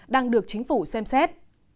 đang được chính phủ xem xét